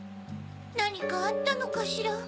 なにかあったのかしら？